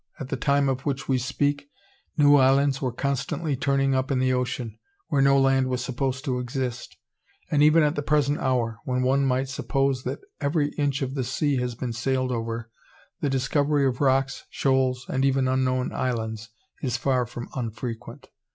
At the time of which we speak, new islands were constantly turning up in the ocean, where no land was supposed to exist; and even at the present hour, when one might suppose that every inch of the sea has been sailed over, the discovery of rocks, shoals, and even unknown islands, is far from unfrequent.